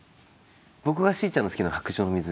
僕がしーちゃんの好きなのは『白鳥の湖』です。